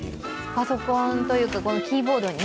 パソコンというか、このキーボードに？